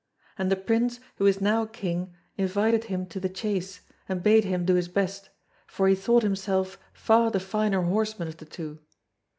And the prince, who is now king, invited him to the chase, and bade him do his best, for he thought himself far the finer horseman of the two.